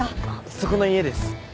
そこの家です。